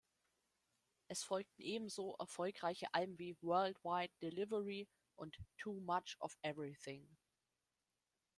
Es folgten ebenso erfolgreiche Alben wie „Worldwide Delivery“ und „Too much of everything“.